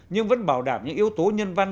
nhưng vẫn bảo đảm những yếu tố nhân văn